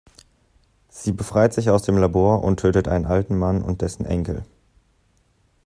Sie befreit sich aus dem Labor und tötet einen alten Mann und dessen Enkel.